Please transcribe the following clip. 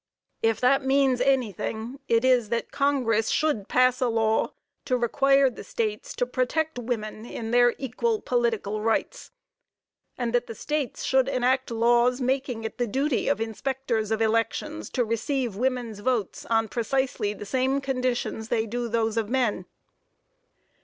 If that means anything, it is that Congress should pass a law to require the States to protect women in their equal political rights, and that the States should enact laws making it the duty of inspectors of elections to receive women's votes on precisely the same conditions they do those of men.